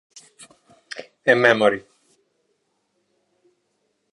A memory".